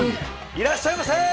いらっしゃいませ！